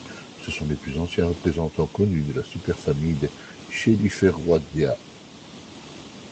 Ce sont les plus anciens représentants connus de la super-famille des Cheliferoidea.